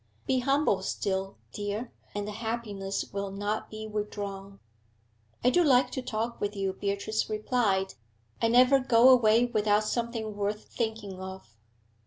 'Be humble still, dear, and the happiness will not be withdrawn.' 'I do like to talk with you,' Beatrice replied. 'I never go away without something worth thinking of.'